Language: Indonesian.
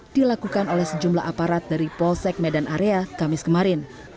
dilakukan oleh sejumlah aparat dari polsek medan area kamis kemarin